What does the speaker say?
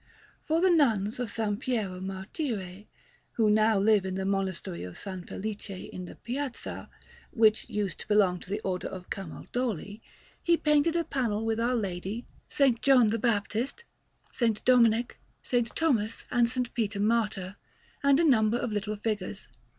For the Nuns of S. Piero Martire who now live in the Monastery of S. Felice in Piazza, which used to belong to the Order of Camaldoli he painted a panel with Our Lady, S. John the Baptist, S. Dominic, S. Thomas, and S. Peter Martyr, and a number of little figures.